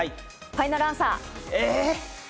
ファイナルアンサー。